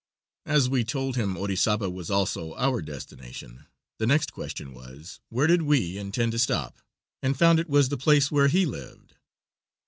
As we told him Orizaba was also our destination, the next question was where did we intend to stop, and found it was the place where he lived.